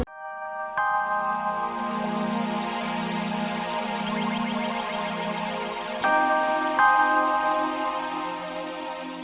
suara bayi siapa tuh